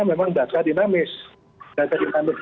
memang data dinamis data dinamit